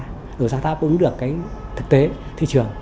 rồi ra ta cũng được cái thực tế thị trường